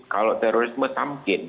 kalau terorisme tamkin